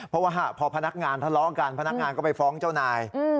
เพราะว่าพอพนักงานทะเลาะกันพนักงานก็ไปฟ้องเจ้านาย